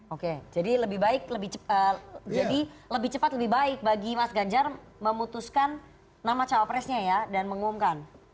oke jadi lebih cepat lebih baik bagi mas ganjar memutuskan nama cawapresnya ya dan mengumumkan